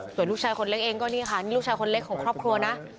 ส่วนลูกชายคนเล็กเองก็นี่ค่ะนี่ลูกชายคนเล็กของครอบครัวนะ